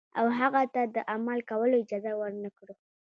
او هغه ته د عمل کولو اجازه ورنکړو.